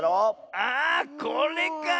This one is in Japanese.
あこれか！